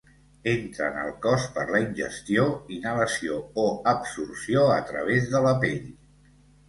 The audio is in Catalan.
Entra al cos per la ingestió, inhalació o absorció a través de la pell.